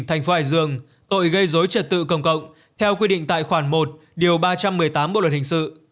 thành phố hải dương tội gây dối trật tự công cộng theo quy định tại khoản một điều ba trăm một mươi tám bộ luật hình sự